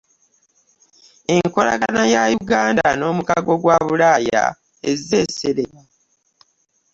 Enkolagana ya Uganda n'omukago gwa Bulaaya ezze esereba